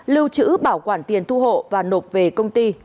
lưu trữ bảo quản tiền thu hộ và nộp về công ty